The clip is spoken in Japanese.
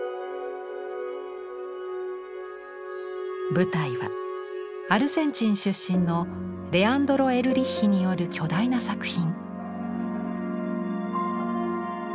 舞台はアルゼンチン出身のレアンドロ・エルリッヒによる巨大な作品。